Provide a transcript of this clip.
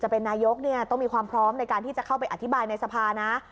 เป็นนายกต้องมีความพร้อมในการที่จะเข้าไปอธิบายในสภานะ